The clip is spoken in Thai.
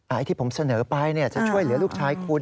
อายุที่ผมเสนอไปจะช่วยแบบลูกชายคุณ